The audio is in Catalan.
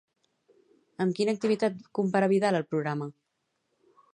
Amb quina activitat compara Vidal el programa?